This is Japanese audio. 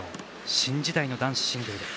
新時代の男子シングル。